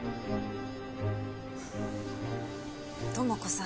友子さん